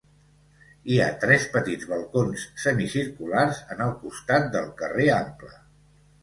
Hi ha tres petits balcons semicirculars en el costat del carrer Ample.